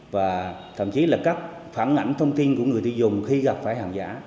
và thậm chí là các phản ảnh thông tin của người tiêu dùng khi gặp phải hàng giả